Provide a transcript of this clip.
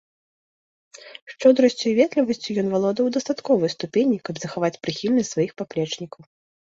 Шчодрасцю і ветлівасцю ён валодаў у дастатковай ступені, каб захаваць прыхільнасць сваіх паплечнікаў.